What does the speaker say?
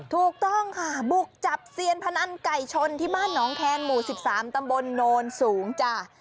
ถูกต้องค่ะบุกจับเซียนพนันไก่ชนที่บ้านน้องแคนหมู่๑๓ตำบลโนนสูงจ้ะ